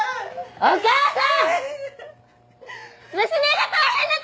お母さーん！